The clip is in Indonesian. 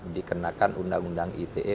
dikenakan undang undang ite